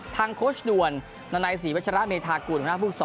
ทางโคชด่วนณสีวัชราชเมธากุลของหน้าภูกษอ